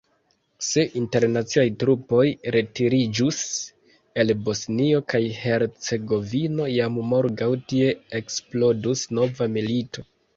Se internaciaj trupoj retiriĝus el Bosnio kaj Hercegovino, jam morgaŭ tie eksplodus nova milito.